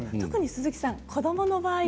特に鈴木さん